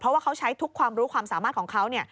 เพราะว่าเขาใช้ทุกความรู้ความสามารถของเขา